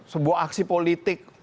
sebuah aksi politik